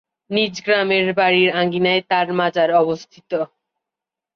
নিজ গ্রামের বাড়ীর আঙ্গিনায় তার মাজার অবস্থিত।